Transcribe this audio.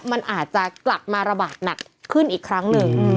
มันอาจจะกลับมาระบาดหนักขึ้นอีกครั้งหนึ่ง